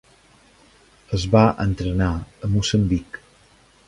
Es va entrenar a Moçambic.